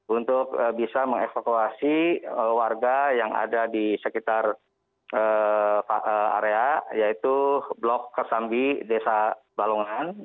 untuk bisa mengevakuasi warga yang ada di sekitar area yaitu blok kesambi desa balongan